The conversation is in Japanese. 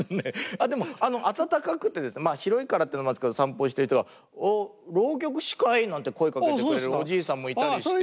あっでも温かくてですね広いからっていうのもあるんですけど散歩してる人が「おっ浪曲師かい？」なんて声かけてくれるおじいさんもいたりして。